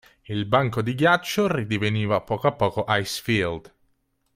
Il banco di ghiaccio ridiveniva a poco a poco ice-field.